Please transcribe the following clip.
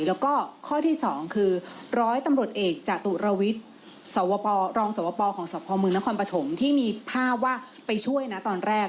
แล้วก็ข้อที่๒คือร้อยตำรวจเอกจตุรวิทย์รองสวปของสพมนครปฐมที่มีภาพว่าไปช่วยนะตอนแรก